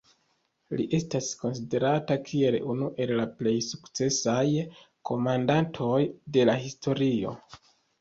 Li estas konsiderata kiel unu el la plej sukcesaj komandantoj de la historio.